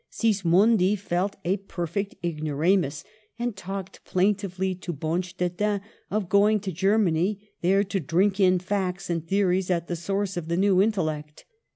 Sismondi felt a perfect ignoramus, and talked plaintively to Bonstetten of going to Germany, there to drink in facts and theories at the source of the new intellect.